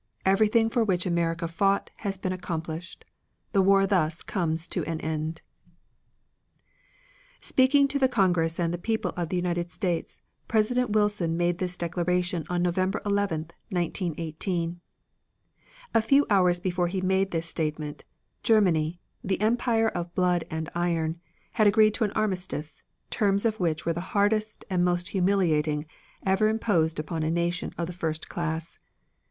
Everything for which America fought has been accomplished. The war thus comes to an end." Speaking to the Congress and the people of the United States, President Wilson made this declaration on November 11, 1918. A few hours before he made this statement, Germany, the empire of blood and iron, had agreed to an armistice, terms of which were the hardest and most humiliating ever imposed upon a nation of the first class.